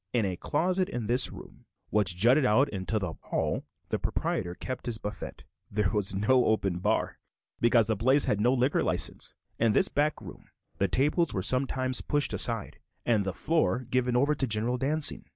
In a closet in this room which jutted out into the hall the proprietor kept his buffet. There was no open bar, because the place had no liquor license. In this back room the tables were sometimes pushed aside, and the floor given over to general dancing.